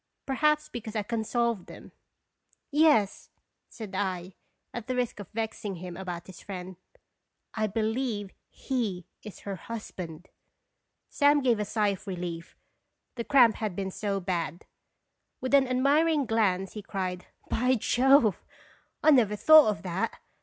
Perhaps because I can solve them. " Yes," said I, at the risk of vexing him about his friend, "/ believe he is her hus band." Sam gave a sigh of relief, the cramp had been so bad. With an admiring glance he cried "By Jove! I never thought of that.